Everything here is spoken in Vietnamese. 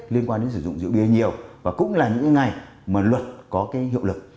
liên quan đến sử dụng rượu bia nhiều và cũng là những ngày mà luật có cái hiệu lực